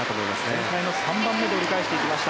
全体の３番目で折り返していきました。